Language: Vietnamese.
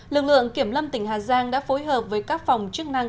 lực lượng kiểm lâm tỉnh hà giang đã phối hợp với các phòng chức năng